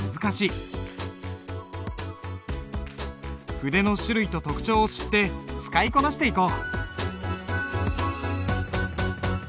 筆の種類と特徴を知って使いこなしていこう。